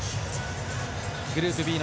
グループＢ